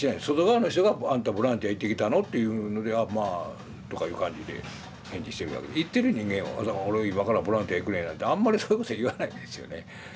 外側の人が「あんたボランティア行ってきたの？」っていうのには「まあ」とかいう感じで返事してるだけで行ってる人間は「俺今からボランティア行くねん」なんてあんまりそういうこと言わないですよね。